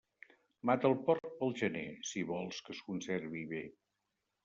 Mata el porc pel gener, si vols que es conservi bé.